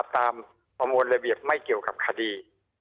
ตามปำวงลระเบียบไม่เกี่ยวกับคดี